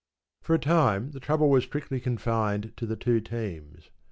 For a time the trouble was strictly confined to the two teams.